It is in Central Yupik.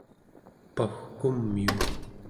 pau͡gkumiu